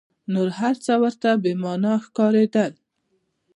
نور هر څه ورته بې مانا ښکارېدل.